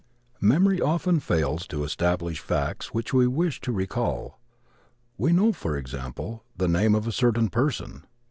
Memory often fails to establish facts which we wish to recall. We know, for example, the name of a certain person.